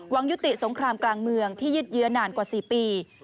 ยุติสงครามกลางเมืองที่ยืดเยื้อนานกว่า๔ปี